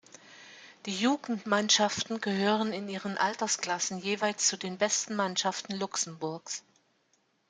Die Jugendmannschaften gehören in ihren Altersklassen jeweils zu den besten Mannschaften Luxemburgs.